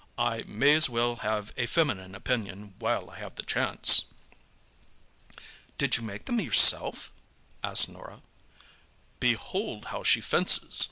I may as well have a feminine opinion while I have the chance." "Did you make them yourself?" asked Norah. "Behold how she fences!"